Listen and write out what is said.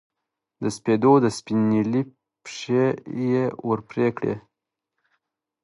د سپېدو د سپین نیلي پښې یې ور پرې کړې